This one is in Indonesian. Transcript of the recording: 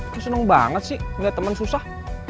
lo seneng banget sih ngeliat teman susah